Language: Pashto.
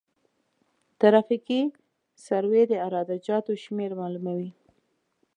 ترافیکي سروې د عراده جاتو شمېر معلوموي